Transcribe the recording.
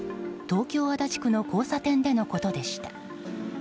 東京・足立区の交差点でのことでした。